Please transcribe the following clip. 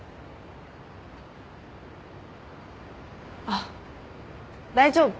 あっ大丈夫。